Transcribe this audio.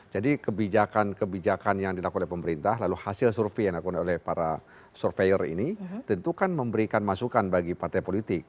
jadi kebijakan kebijakan yang dilakukan oleh pemerintah lalu hasil survei yang dilakukan oleh para survei ini tentu kan memberikan masukan bagi partai politik